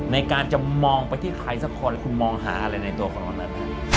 ในการจะมองไปที่ใครสักคนคุณมองหาอะไรในตัวของเรานั้น